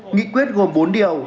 nghị quyết gồm bốn điều